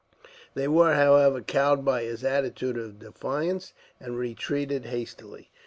They were, however, cowed by his attitude of defiance, and retreated hastily.